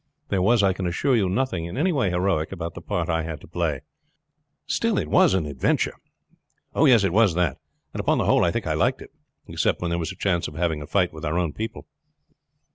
There was, I can assure you, nothing in any way heroic about the part I had to play." "Still it was an adventure." "Oh! yes, it was that; and upon the whole I think I liked it, except when there was a chance of having a fight with our own people."